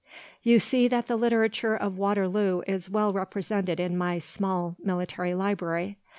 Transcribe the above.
You see that the literature of Waterloo is well represented in my small military library.